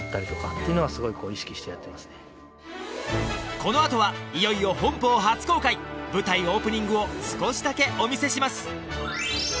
このあとはいよいよ本邦初公開舞台オープニングを少しだけお見せします